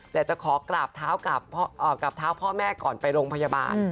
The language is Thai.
และจะขอกราบเท้าพ่อแม่ก่อนไปโรงพยาบาล